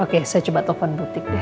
oke saya coba top on butik deh